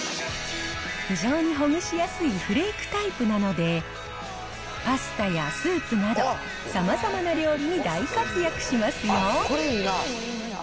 非常にほぐしやすいフレークタイプなので、パスタやスープなど、さまざまな料理に大活躍しますよ。